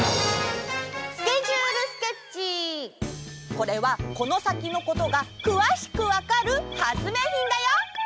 これはこのさきのことがくわしくわかる発明品だよ。